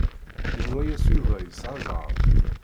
Yenwa-yas Yuba yesɛa zzheṛ.